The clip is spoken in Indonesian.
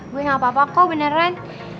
gue gak apa apa kok beneran